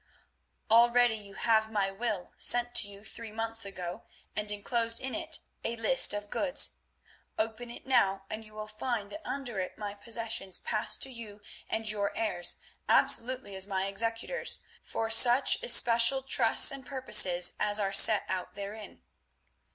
"Already you have my will sent to you three months ago, and enclosed in it a list of goods. Open it now and you will find that under it my possessions pass to you and your heirs absolutely as my executors, for such especial trusts and purposes as are set out therein.